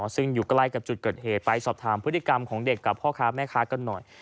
ซึ่งอยู่ใกล้กับจุดเกิดเหตุไปสอบถามพฤติกรรมของเด็กกับพ่อค้าแม่ค้ากันหน่อย